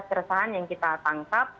keresahan yang kita tangkap